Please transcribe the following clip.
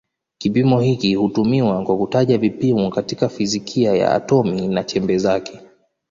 Kipimo hiki hutumiwa kwa kutaja vipimo katika fizikia ya atomi na chembe zake.